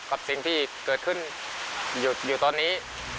สิ่งที่เกิดขึ้นอยู่ตอนนี้